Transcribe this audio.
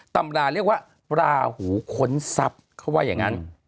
ตำราเรียกว่าราหูค้นทรัพย์เขาว่าอย่างนั้น